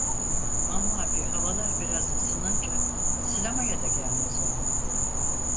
Mamafih havalar biraz ısınınca sinemaya da gelmez oldu.